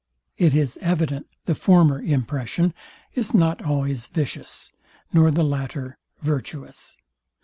It is evident the former impression is not always vicious, nor the latter virtuous.